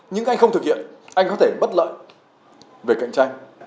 nhưng anh không thực hiện anh có thể bất lợi về cạnh tranh